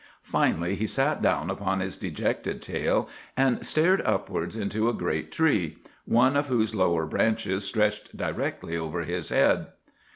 Finally, he sat down upon his dejected tail and stared upwards into a great tree, one of whose lower branches stretched directly over his head.